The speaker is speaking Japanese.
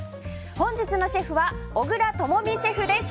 本日のシェフは小倉知巳シェフです。